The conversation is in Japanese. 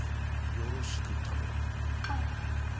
よろしくたのむ。